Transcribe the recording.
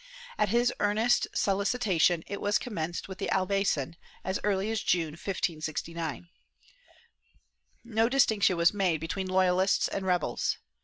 ^ At his earnest soli citation it was commenced with the Albaycin, as early as June, 1569. No distinction was made between loyalists and rebels.